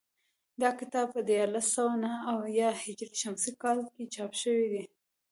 دا کتاب په دیارلس سوه نهه اویا هجري شمسي کال کې چاپ شوی دی